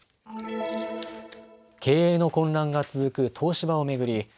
経営の混乱が続く東芝を巡り